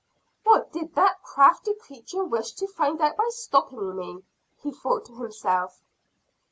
"What did that crafty creature wish to find out by stopping me?" he thought to himself.